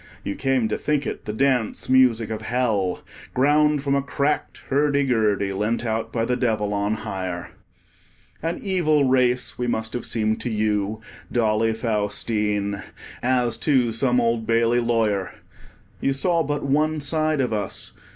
You came to think it the dance music of Hell, ground from a cracked hurdy gurdy, lent out by the Devil on hire. An evil race we must have seemed to you, Dolly Faustine, as to some Old Bailey lawyer. You saw but one side of us.